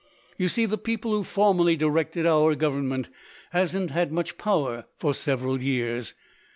"You see, the people who formerly directed our Government haven't had much power for several years.